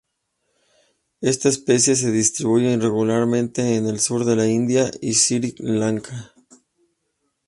Esta especie se distribuye irregularmente en el sur de la India y Sri Lanka.